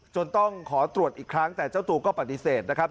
ต้องขอตรวจอีกครั้งแต่เจ้าตัวก็ปฏิเสธนะครับ